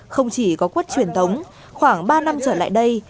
không chỉ có quất truyền thống khoảng ba năm trở lại đây